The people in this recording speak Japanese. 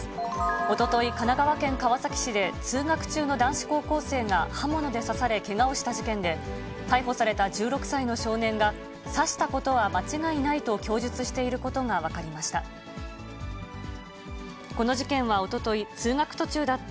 おととい、神奈川県川崎市で、通学中の男子高校生が刃物で刺されけがをした事件で、逮捕された１６歳の少年が、刺したことは間違いないと供述していることが分かりました。